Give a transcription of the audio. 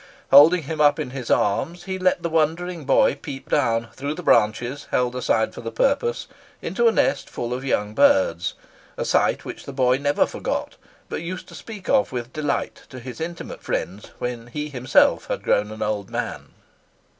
Holding him up in his arms, he let the wondering boy peep down, through the branches held aside for the purpose, into a nest full of young birds—a sight which the boy never forgot, but used to speak of with delight to his intimate friends when he himself had grown an old man.